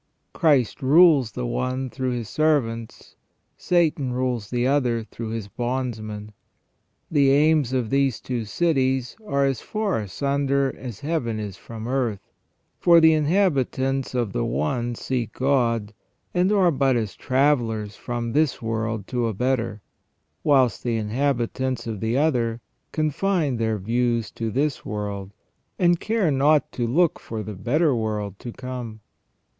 Christ rules the one through His servants ; Satan rules the other through his bondsmen. The aims of these two cities are as far asunder as Heaven is from earth ; for the inhabitants of the one seek God, and are but as travellers from this world to a better ; whilst the inhabitants of the other confine their views to this world, and care not to look for the better world to come.